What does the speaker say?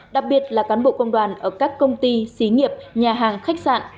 đặc biệt là cán bộ công đoàn ở các công ty xí nghiệp nhà hàng khách sạn